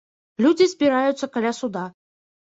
Людзі збіраюцца каля суда.